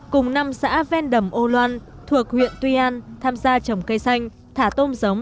cùng năm xã ven đầm âu loan thuộc huyện tuy an tham gia trồng cây xanh thả tôm giống